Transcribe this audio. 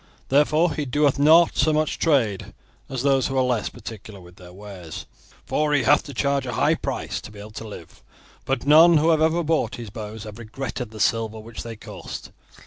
Therefore he doeth not so much trade as those who are less particular with their wares, for he hath to charge a high price to be able to live. But none who have ever bought his bows have regretted the silver which they cost.